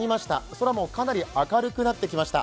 空もかなり明るくなってきました。